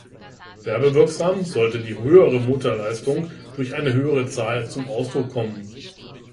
Werbewirksam sollte die höhere Motorleistung durch eine höhere Zahl zum Ausdruck kommen.